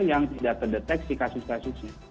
yang tidak terdeteksi kasus kasusnya